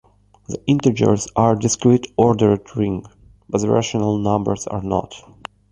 The integers are a discrete ordered ring, but the rational numbers are not.